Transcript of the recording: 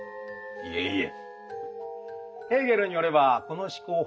いえいえ！